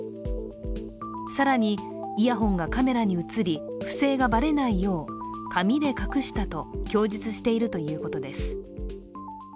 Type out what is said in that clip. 更に、イヤホンがカメラに映り不正がばれないよう髪で隠したと供述しているということです。